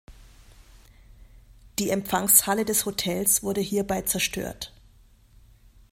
Die Empfangshalle des Hotels wurde hierbei zerstört.